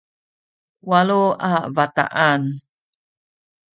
walu a bataan